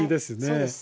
そうです。